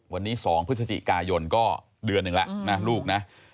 วันนี้๒พฤศจิกายนก็เดือนหนึ่งแล้วนะลูกนะ